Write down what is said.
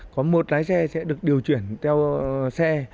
có một lái xe sẽ được điều chuyển theo xe